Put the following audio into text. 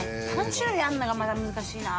３種類あるのがまた難しいな。